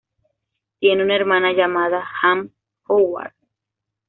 Tiene una hermana llamada Jan Howard.